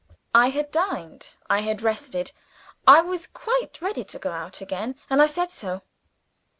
I had dined; I had rested; I was quite ready to go out again, and I said so.